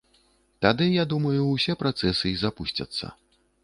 Тады, я думаю, усе працэсы і запусцяцца.